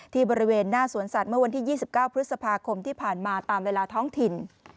บริเวณหน้าสวนสัตว์เมื่อวันที่๒๙พฤษภาคมที่ผ่านมาตามเวลาท้องถิ่น